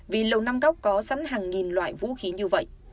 vì lầu năm góc có sẵn hàng nghìn loại vũ khí như vậy